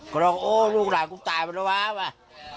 ก็ลองโอ้ลูกหลานกูตายไปแล้ววะ